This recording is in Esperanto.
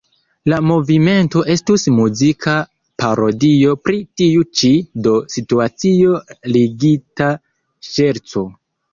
La movimento estus muzika parodio pri tiu ĉi, do situacio-ligita ŝerco.